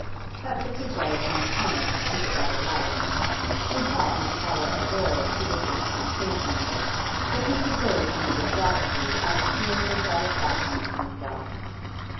That was his way of doing homage to the better life; he had no power of will to resist temptation, but he could go to meet it doggedly out of sheer dissatisfaction with himself.